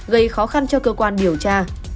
gây khó khăn cho cơ quan điều tra